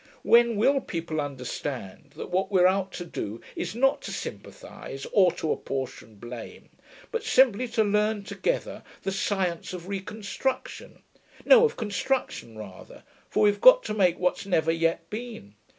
When will people understand that what we're out to do is not to sympathise or to apportion blame, but simply to learn together the science of reconstruction no, of construction rather, for we've got to make what's never yet been.